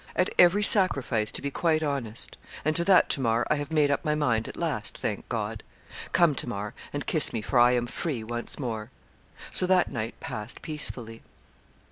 At every sacrifice to be quite honest; and to that, Tamar, I have made up my mind at last, thank God. Come, Tamar, and kiss me, for I am free once more.' So that night passed peacefully.